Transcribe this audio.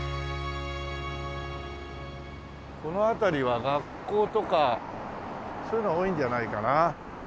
この辺りは学校とかそういうのが多いんじゃないかな。